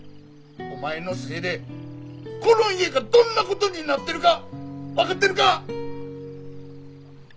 お前のせいでこの家がどんなことになってるか分かってるか！